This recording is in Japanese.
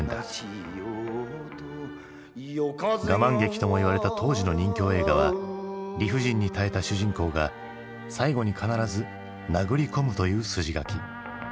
「ガマン劇」ともいわれた当時の任侠映画は理不尽に耐えた主人公が最後に必ず殴り込むという筋書き。